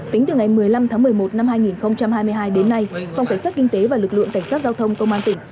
tính từ ngày một mươi năm tháng một mươi một năm hai nghìn hai mươi hai đến nay phòng cảnh sát kinh tế và lực lượng cảnh sát giao thông công an tỉnh